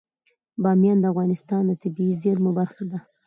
بامیان د افغانستان د طبیعي زیرمو برخه ده.